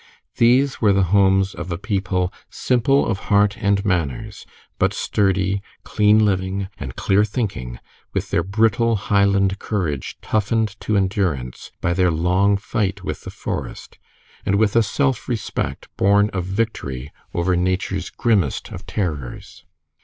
These were the homes of a people simple of heart and manners, but sturdy, clean living, and clear thinking, with their brittle Highland courage toughened to endurance by their long fight with the forest, and with a self respect born of victory over nature's grimmest of terrors.